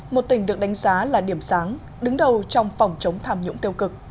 một tỉnh được đánh giá là điểm sáng đứng đầu trong phòng chống tham nhũng tiêu cực